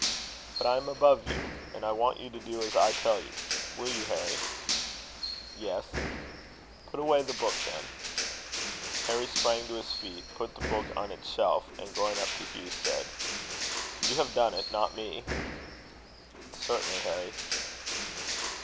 "But I am above you; and I want you to do as I tell you. Will you, Harry?" "Yes." "Put away the book, then." Harry sprang to his feet, put the book on its shelf, and, going up to Hugh, said, "You have done it, not me." "Certainly, Harry."